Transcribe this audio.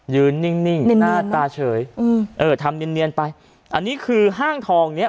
นิ่งหน้าตาเฉยอืมเออทำเนียนไปอันนี้คือห้างทองเนี้ย